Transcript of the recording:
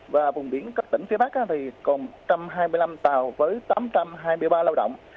và tại vùng biển quảng ngãi thì còn một trăm bốn mươi bảy tàu với chín trăm một mươi một lao động